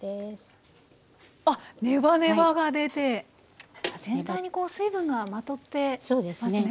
あっネバネバが出て全体に水分がまとってますね。